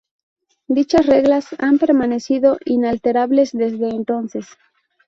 Dichas reglas han permanecido inalterables desde entonces.